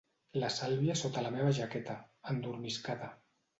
La Sàlvia sota la meva jaqueta, endormiscada.